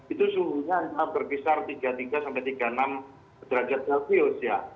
itu suhunya berkisar tiga puluh tiga sampai tiga puluh enam derajat celcius ya